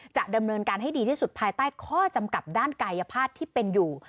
จะดำเนินการให้ดีที่สุดภายใต้ข้อจำกัดด้านกายภาพที่เป็นอยู่